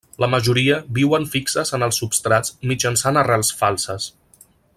La majoria viuen fixes en els substrats mitjançant arrels falses.